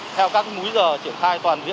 theo các múi giờ triển khai toàn viện